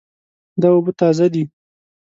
دا اوبه تازه دي